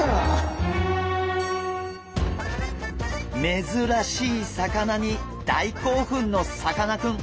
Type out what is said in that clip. めずらしい魚に大興奮のさかなクン。